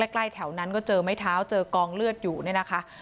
ใกล้แถวนั้นก็เจอไม้เท้าเจอกองเลือดอยู่เนี่ยนะคะ